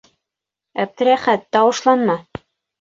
Әптеләхәт... тауышланма...